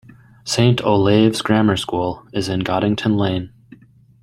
Saint Olave's Grammar School is in Goddington Lane.